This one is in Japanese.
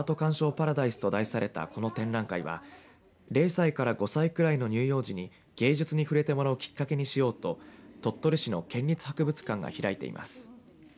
パラダイスと題されたこの展覧会は０歳から５歳くらいの乳幼児に芸術に触れてもらうきっかけにしようと鳥取市の県立博物館が開いています。